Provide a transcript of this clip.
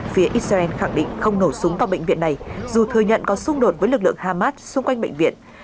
phía israel khẳng định không nổ súng vào bệnh viện này dù thừa nhận có xung đột với lực lượng hamas xung quanh bệnh viện